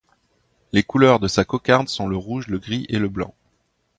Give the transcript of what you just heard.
Les couleurs de sa cocarde sont le rouge, le gris et le blanc.